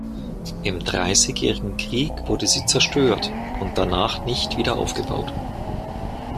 Im Dreißigjährigen Krieg wurde sie zerstört und danach nicht wieder aufgebaut.